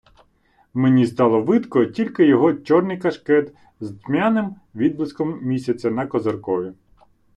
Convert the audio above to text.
Мені стало видко тільки його чорний кашкет з тьмяним відблиском місяця на козиркові.